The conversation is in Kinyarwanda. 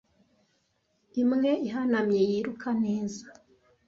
imwe ihanamye yiruka neza